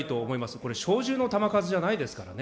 これ、小銃の弾数じゃないですからね。